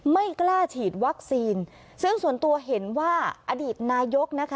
ไม่กล้าฉีดวัคซีนซึ่งส่วนตัวเห็นว่าอดีตนายกนะคะ